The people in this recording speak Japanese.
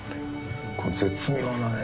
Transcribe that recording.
この絶妙なね